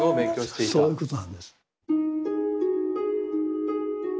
そういうことなんです。